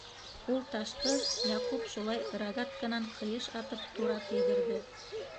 Ул ташты Яҡуп шулай рогатканан ҡыйыш атып тура тейҙерҙе.